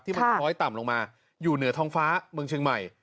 มันคล้อยต่ำลงมาอยู่เหนือท้องฟ้าเมืองเชียงใหม่